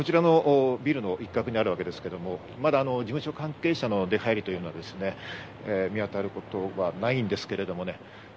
こちらのビルの一角にあるわけですが、まだ事務所関係者の出入りは見当たることがないんですけれども。